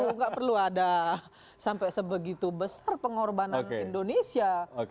tidak perlu ada sampai sebegitu besar pengorbanan indonesia